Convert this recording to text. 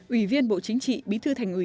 ủy viên bộ chính trị bí thư thành ủy